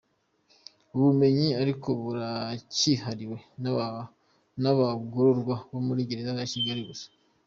Ubu bumenyi ariko buracyihariwe n’abagororwa bo muri Gereza ya Kigali gusa.